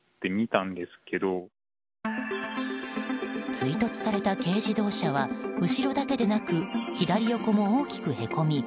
追突された軽自動車は後ろだけでなく左横も大きくへこみ